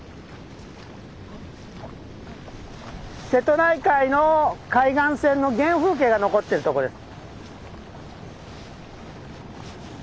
瀬戸内海の海岸線の原風景が残ってるとこです。